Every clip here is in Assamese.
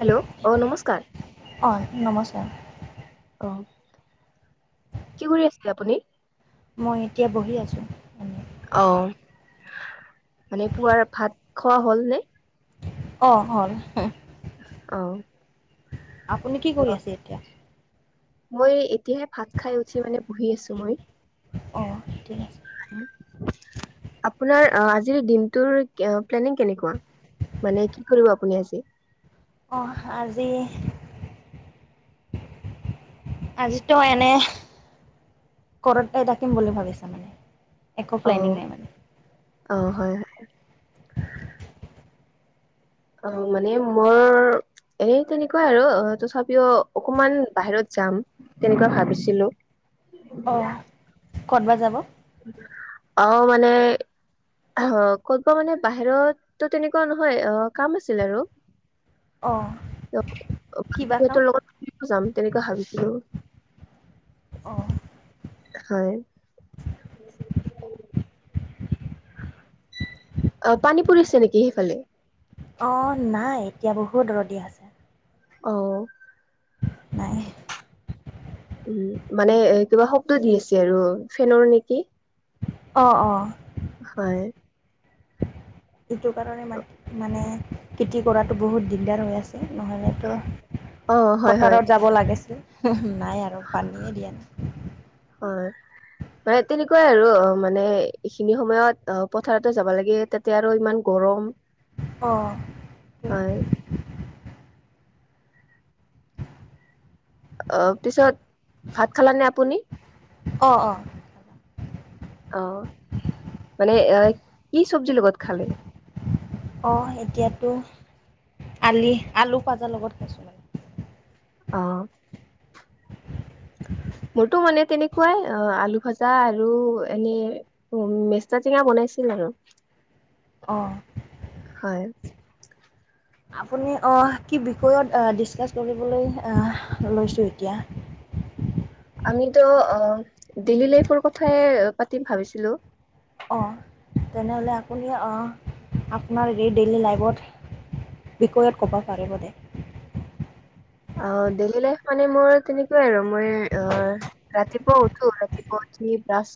হেল্ল' অ, নমস্কাৰ। অ, নমস্কাৰ। অ, কি বুলি আছিল আপুনি? মই এতিয়া বহি আছোঁ। এনেই অ, মানে পুৱাৰ ভাত খোৱা হ'ল নে? অ, হ'ল। অ। আপুনি কি অ, কৰি আছে এতিয়া? মই এতিয়াহে ভাত খাই উঠি মানে বহি আছোঁ মই। অঁ ঠিক আছে আপোনাৰ অ, আজিৰ দিনটোৰ কি অ প্লেনিং কেনেকুৱা? মানে কি কৰিব আজি আপুনি? অহ আজি আজিতো এনে, কৰতেই থাকিম বুলি ভাবিছোঁ মানে। একো অ প্লেনিং নাই অ হয় হয় মানে। অ, মানে মোৰ এনে তেনেকুৱাই আৰু তথাপিও অকমান বাহিৰত যাম তেনেকুৱা ভাবিছিলো। অ, ক'ত বা যাব? অ, মানে অ ক'তবা মানে বাহিৰতো তেনেকুৱা নহয় অহ কাম আছিল আৰু অ। অ সিহতৰ লগত ফুৰিব যাম তেনেকৈ ভাবিছিলো। অহ। হয়। অ পানী পৰিছে নেকি সেইফালে? অ নাই এতিয়া বহুত ৰ'দদি আছে। অহ। নাই। উম মানে কিবা শব্দ দি আছে আৰু ফেনৰ নেকি? অ- অ হয়। এইটো কাৰণে মা-মানে খেতি কৰাতো বহুত দিগদাৰ হৈ আছে নহ'লেতো। অ' হয়, হয়, পথাৰত যাব লাগিছিল নাই আৰু পানীয়েই দিয়া নাই। হয়। মানে তেনেকুৱাই আৰু অ মানে এইখিনি সময়ত অ পথাৰতো যাব লাগে তাতে আৰু ইমান গৰম। অহ। হয়, অ' পিছত ভাত খালা নে আপুনি অ '' অ 'মানে এ কি চব্জিৰ লগত খালে অ' এতিয়াতো আলি আলু পাজাৰ লগত খাইছো অ' মোৰতো মানে তেনেকুৱাই অ আলু ভাজা আৰু এনে উম মেষ্টা টেঙা বনাই। আছিল আৰু। অহ। হয়। আপুনি অহ কি বিষয়ত এ ডিচকাচ কৰিবলৈ এহ লৈছো এতিয়া। আমিতো ডেইলী লাইফৰ কথাই পাতিম ভাবিছিলো। অ' তেনেহ'লে আপুনি অঁ আপোনাৰ এই ডেইলী লাইফত বিষয়ত ক'ব পাৰিবনে। অ' ডেইলি লাইফ মানে মোৰ তেনেকুৱাই আৰু মই অ' ৰাতিপুৱা উঠো ৰাতিপুৱা উঠি ব্ৰাচ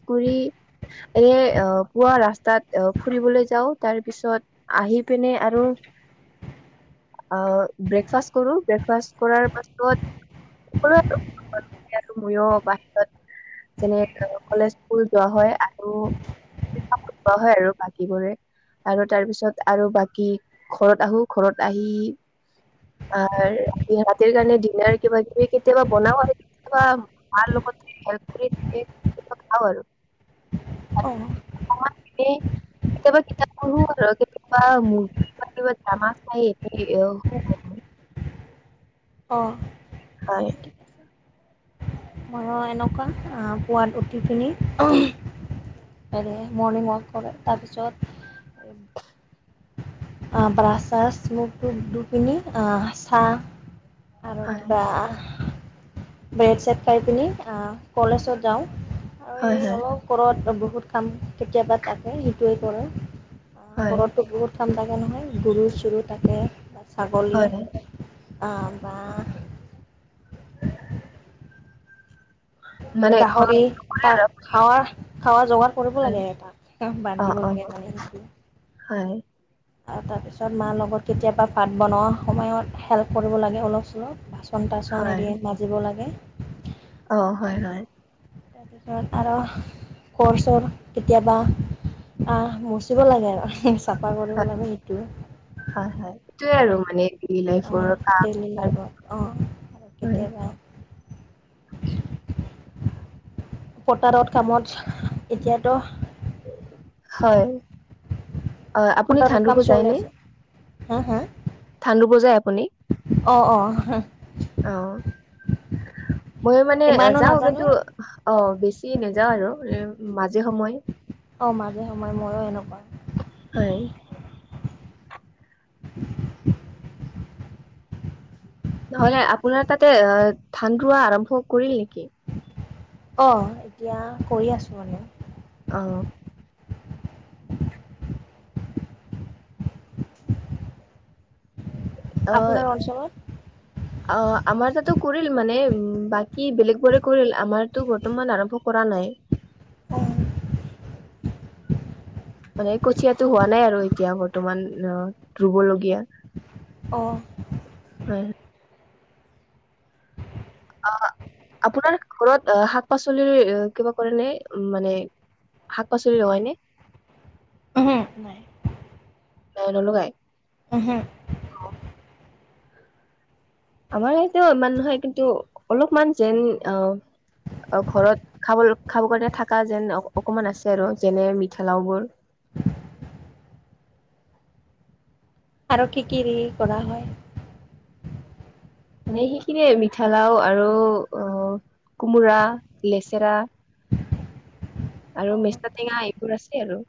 এনে পুৱা ৰাস্তাত ফুৰিবলৈ যাওঁ তাৰ পিছত আহি পিনে আৰু ব্ৰেকফাষ্ট কৰো ব্ৰেকফাষ্ট কৰাৰ পাছত আৰু ময়ো বাহিৰত [inaudible] যেনে কলেজ স্কুল যোৱা হয় আৰু কোৱা হয় আৰু বাকীবোৰে আৰু তাৰ পিছত আৰু বাকী ঘৰত আহো ঘৰত আহি আৰ ই হাতীৰ কাৰণে ডিনাৰ কিবা কিবি কেতিয়াবা বনাও আৰু কেতিয়াবা মাৰ লগত হেল্প কৰি থাকে। খাওঁ আৰু। অ' [unintelligible] কেতিয়াবা কিতাপ পঢ়ো কেতিয়াবা মৰ্গ বা কেতিা জামা খাই শ [inaudible] হয়। অ' হয়। ময়ো এনোকা পুৱাত উঠি পিনি মৰ্ণিং ৱাক কৰে তাৰপিছত। ব্ৰাছ ছাছ মুখ টু ধুই পিনি চাহ। আৰু হয় কিবা ব্ৰেড চেড খাই পিনি কলেজত যাওঁ। আৰু হয় এই হয় অলপ কৰৰত বহুত কাম কেতিয়াবা তাকে সেইটোৱে কৰে। হয় ঘৰতটো গহুত খাম থাকে নহয় গৰু চৰু থাকে বা ছাগলী। হয় অ' বা মানে ঘৰত গাহৰি নকৰে তাক আৰু খাৱা খাৱা জোগাত। কৰিব হয় লাগে তাত অ বান্ধিব অ লাগে মানে সেইটো হয় আৰু তাৰপিছত মাৰ লগত কেতিয়াবা পাত বনোৱা সময়ত হেল্প কৰিব লাগে অলপ। চলপ বাচন তচন হয় এৰি মাজিব লাগে অ হয়- হয় তাৰপিছত আৰু কৰ চৰ কেতিয়াবা। আহ মচিব লাগে আৰু চাফা কৰিব লাগে সেইটোে সেইতোয়ে আৰু মানে, দে লাইফৰ কাম। লাইফত অঁ আৰু হয়। কেতিয়াবা [unintelligible] পতাৰত কামত, এতিয়াতো। হয়। হয়, আপুনি পতাৰৰ ধান কাম ৰুব চলি যায়নে? আছে হা ধান ৰুব যায় আপুনি? অহ', অহ'। অ ময়ো মানে যাওঁ, কিন্তু অহ। বেছি নাযাওঁ আৰু, এ মাজে সময়। অহ' মাজে সময় ময়ো এনেকুৱা। হয়। নহ'লে আপোনাৰ তাতে ধান ৰুৱা আৰম্ভ কৰিল নেকি? অহ' এতিয়া কৰি আছো মানে। অহ'। আপোনাৰ অঞ্চলত অহ' আমাৰ তাতো কৰিল মানে। উম' বাকী বেলেগবোৰে কৰিল আমাৰতো বৰ্তমান আৰম্ভ কৰা নাই। [inaudible] অঁ মানে কঠিয়াতো হোৱা নাই আৰু এতিয়া বৰ্তমান অহ, ৰুব লগগীয়া। অহ'। অহ' আপোনাৰ ঘৰত শাক-পাচলিৰ কিবা কৰে নে, মানে। শাক-পাচলি ‌ৰুৱে নে? উম' নাই। নাই নলগাই। উম' হো। আমাৰ ইতেও ইমান নহয়, কিন্তু অলপমান যেন অহ। অহ' ঘৰত খাব, খাব কাৰণে থকা যেন অকমান আছে আৰু, যেনে মিঠালাও বোৰ। [inaudible] আৰু কি কি কৰা হয়। মানে সেইখিনিয়ে মিঠালাও আৰু অহ। কোমোৰা, লেচেৰা। আৰু অঁ মেচাটেঙা এইবোৰ আছে আৰু।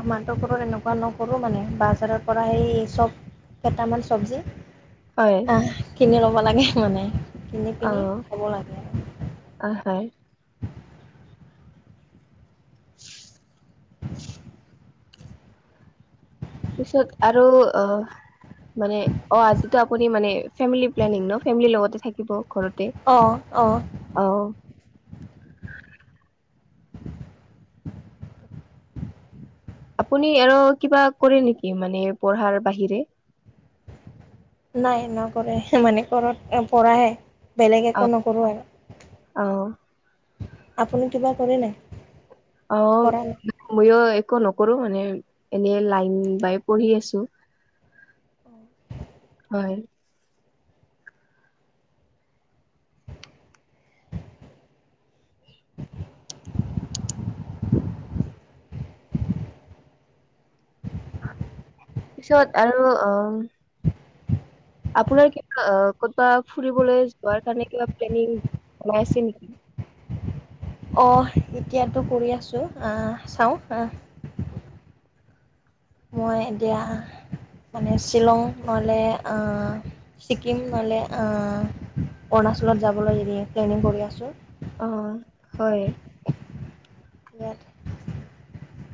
আমাৰতো ঘৰত এনেকুৱা নকৰো মানে, বাজাৰৰ পৰা সেই চব কেইটামান চব্জি। হয় অহ' কিনি ল'ব লাগে মানে, কিনি পিনি খাব লাগে। অ হয়। [unintelligible] পিছত আৰু অহ। মানে অহ, আজিটো আপুনি মানে ফেমেলি প্লেনিং ন। ফেমলি লগতে থাকিব। ঘৰতে, অঁ অঁ অহ। আপুনি আৰু কিবা কৰে নেকি, মানে পঢ়াৰ বাহিৰে। নকৰে মানে ঘৰত পঢ়াহে, বেলেগ অ একো নকৰোঁ আৰু। অ আপুনি কিবা কৰে নাই। অহ' কৰা নাই ময়ো একো নকৰো মানে। এনেই লাইন বাই পঢ়ি আছো। হয়। তাৰ পিছত আৰু অহ। আপোনাৰ কিবা কতবা ফুৰিবলৈ যোৱাৰ কাৰণে কিবা প্লেনিং জনাইছে নেকি। অহ, এতিয়াতো কৰি আছো, অহ চাওঁ অহ। মই এতিয়া। মানে শ্বিলং নহ'লে, ছিকিম নহলে অৰুণাচলত যাবলৈ নিদিয়ে, প্লেনিং কৰি আছো। অহ' হয়। ইয়াত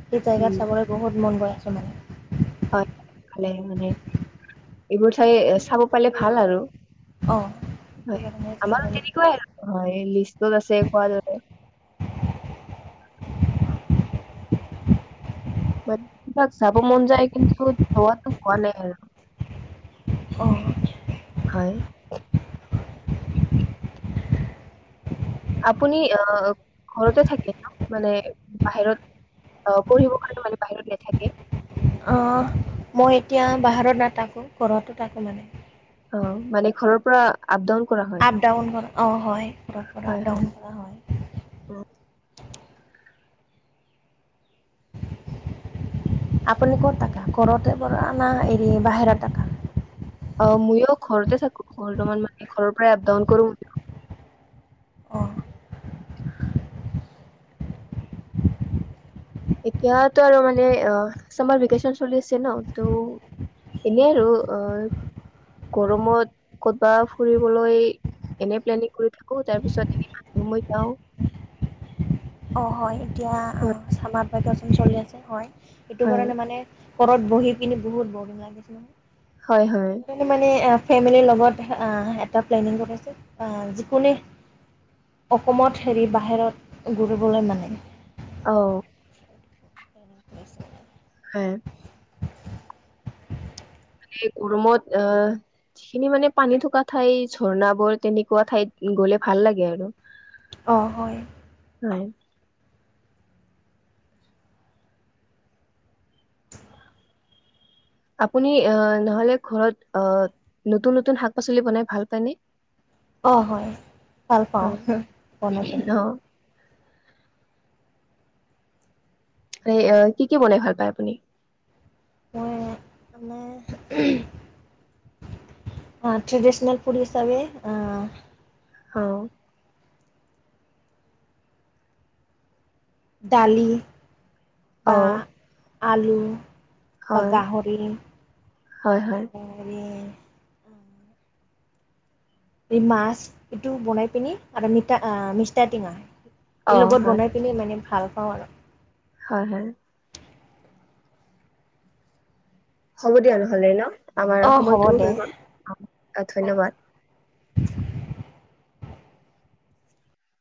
সেই জেগাত উম। চাবলৈ বহুত মন গৈ আছো মানে খালে মানে এইবোৰ চাই চাব পালে ভাল আৰু অঁ সেইটো হয় কাৰণে আমাৰ যাবলৈ তেনেকুৱাই আৰু হয় ত আছে কোৱা দৰে মানে কাক যাব মন যায় কিন্তু যোৱাাতটো হোৱা নাই আৰু অঁ হয় আপুনি আহ ঘৰতে থাকে ন মানে বাহিৰত অ পঢ়িব কাৰণে মানে বাহিৰত নাথাকে মই এতিয়া বাহিৰত নথাকোঁ ঘৰতো থাকোঁ মানে অ মানে ঘৰৰ পৰা আপ ডাউন কৰা হয় আপ ডাউন কৰা অঁ হয় ক পৰা হয়। হয়। ডহন কৰা হয় আপুনি ক'ত াক ঘৰতে পৰানা এৰি বাহিৰৰ কা অ ময়ো ঘৰতে থাকো ঘৰমান মানে ঘৰৰ পৰাই আপ ডাউন কৰো বুলি অঁ এতিয়াতো আৰু মানে অ চামাৰ ভেকেচন চলি আছে ন ত এনে আৰু অ গৰমত কৰবা ফুৰিবলৈ এনেই প্লেনিং কৰি থাকো তাৰ পিছত এ মা যাও অ হয় এতিয়াাজ বাগ চলি আছে হয় সেইটো হয় কাৰণে মানে ঘৰত বহি পিনি বহুত বৰন লাগিছিল হয় হয় মানে সণে মানে ফেমিলিৰ লগত এটা প্লেনিং কৰিছোঁ যিকোনোেই অসমত হেৰি বাহিৰত ঘূৰিবলৈ মানে অ আ প্লেছ হা ম ৰুমত অ যিখিনি মানে পানী থকা ঠাই ঝৰ্ণাবোৰ তেনেকুৱা ঠাইত গ'লে ভাল লাগে আৰু অঁ হয় হয় আপুনি নহলে ঘৰত নতুন নতুন শাক পাচলি বনাই ভাল পনে অ হয় ভাল পাওঁ অ বনাই পনোই অ এই কি কি বনাই ভাল পায় আপুনি মই মানে ট্ৰেডিশনেল ফুড হিচাপে অ দালি বা অ', আলু হয়, বাগাহৰি হয়, হয়, আৰু এই মাছ এইটো বনাই পিনি আৰু মিা মিা টেঙা অ', লগত হয়, বনাই পিনি মানে ভাল পাওঁ আৰু হয় হয় হ'ব দিয়া নহলে ন আমাৰ অঁ হ'ব সময়টোও দে হৈ গ'ল অঁ ধন্যবাদ